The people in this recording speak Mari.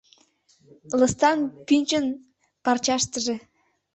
Лыстан пӱнчын парчаштыже